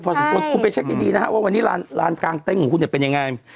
พอสมมติคุณไปเช็คดีว่าวันนี้ลานกางเต็นต์ของคุณเป็นอย่างไร